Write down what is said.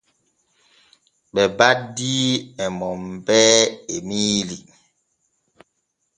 Ɓe baddii e Monpee Emiili.